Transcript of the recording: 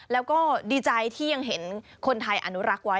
แล้วก็ดีใจที่ยังเห็นคนไทยอนุรักษ์ไว้